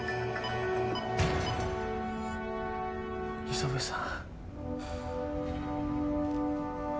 磯部さん。